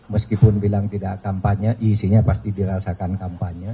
meskipun bilang tidak kampanye isinya pasti dirasakan kampanye